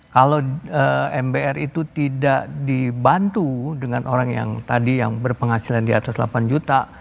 kalau mbr itu tidak dibantu dengan orang yang tadi yang berpenghasilan di atas delapan juta